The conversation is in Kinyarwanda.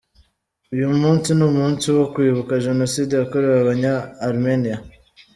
Uyu munsi ni umunsi wo kwibuka Jenoside yakorewe abanya-Armenia.